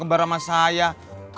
udah lama juga yang